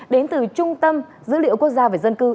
đến từ trung tâm dữ liệu quốc gia về dân cư